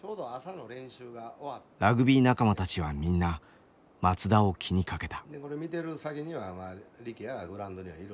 ラグビー仲間たちはみんな松田を気にかけた。